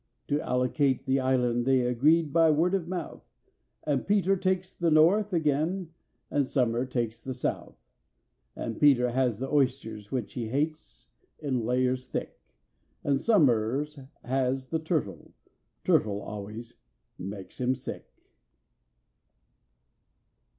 To allocate the island they agreed by word of mouth, And PETER takes the north again, and SOMERS takes the south; And PETER has the oysters, which he hates, in layers thick, And SOMERS has the turtle—turtle always makes him sick.